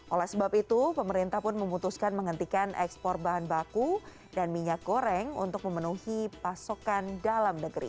oleh sebab itu pemerintah pun memutuskan menghentikan ekspor bahan baku dan minyak goreng untuk memenuhi pasokan dalam negeri